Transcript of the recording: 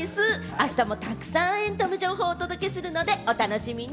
あしたもたくさんエンタメ情報をお届けするので、お楽しみに。